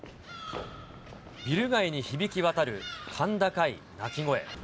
ビル街に響き渡る甲高い鳴き声。